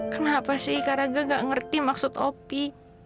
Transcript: kenapa sih karenaga gak ngerti maksud opi